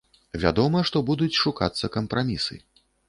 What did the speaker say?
Вядома, што будуць шукацца кампрамісы.